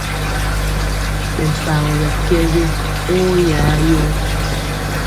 Ɓɛ mpagɔ ɓɛ kɛ we oyayoo.